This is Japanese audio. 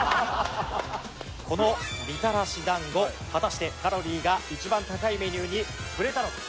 このみたらし団子果たしてカロリーが一番高いメニューにふれたのか？